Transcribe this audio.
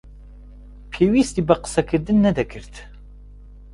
پێویستی بە قسەکردن نەدەکرد.